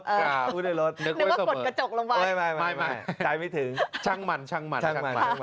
นึกว่ากดกระจกลงไปไม่จ่ายไม่ถึงช่างหมั่น